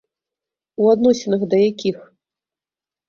У адносінах да якіх.